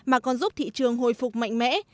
mà còn giúp thị trường hồi phục mạnh mẽ